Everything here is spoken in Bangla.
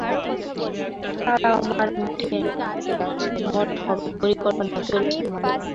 তাঁরাও আমার মঠে থাকতে যাচ্ছেন, মঠ হবার পরিকল্পনা চলছে মাত্র।